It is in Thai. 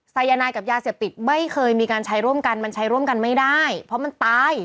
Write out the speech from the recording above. สายนายกับยาเสพติดไม่เคยมีการใช้ร่วมกันมันใช้ร่วมกันไม่ได้เพราะมันตาย